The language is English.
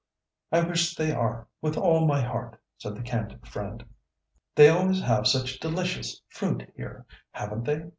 "I wish they are, with all my heart," said the candid friend. "They always have such delicious fruit here, haven't they?